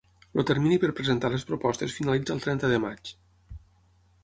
El termini per presentar les propostes finalitza el trenta de maig.